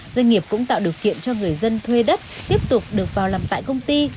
doanh nghiệp cũng tạo điều kiện cho người dân thuê đất tiếp tục được vào làm tại công ty